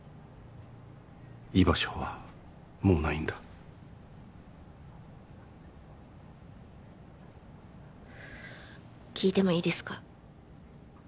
居場所はもうないんだ聞いてもいいですか？